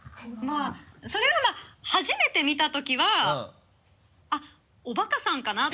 それはまぁ初めて見た時はあっおバカさんかな？